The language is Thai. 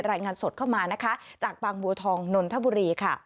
รายงานสดเข้ามานะคะจากบางบัวทองนนทบุรีค่ะ